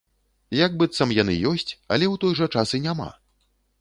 Як быццам яны ёсць, але ў той жа час і няма.